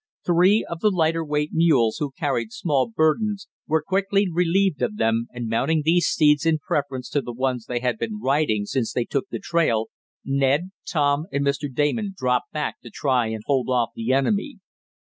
Three of the lighter weight mules, who carried small burdens, were quickly relieved of them, and mounting these steeds in preference to the ones they had been riding since they took the trail, Tom, Ned and Mr. Damon dropped back to try and hold off the enemy.